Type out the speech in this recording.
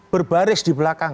berbaris di belakang